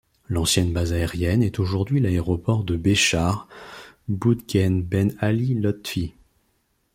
L'ancienne base aérienne est aujourd'hui l'Aéroport de Béchar - Boudghene Ben Ali Lotfi.